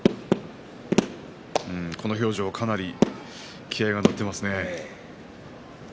表情はかなり気合いが乗ってますね。